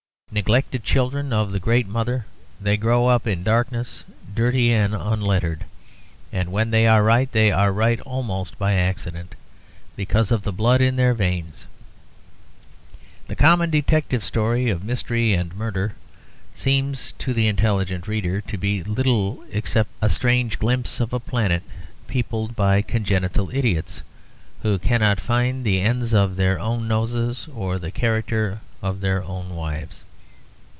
Neglected children of the great mother, they grow up in darkness, dirty and unlettered, and when they are right they are right almost by accident, because of the blood in their veins. The common detective story of mystery and murder seems to the intelligent reader to be little except a strange glimpse of a planet peopled by congenital idiots, who cannot find the end of their own noses or the character of their own wives.